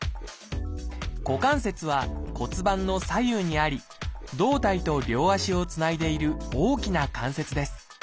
股関節は骨盤の左右にあり胴体と両足をつないでいる大きな関節です。